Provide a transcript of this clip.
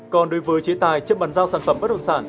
còn đối với chế tài chấp bắn giao sản phẩm bất động sản